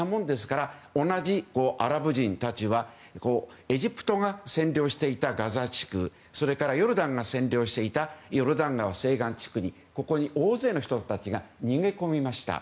同じアラブ人たちはエジプトが占領していたガザ地区それからヨルダンが占領していたヨルダン川西岸地区に大勢の人たちが逃げ込みました。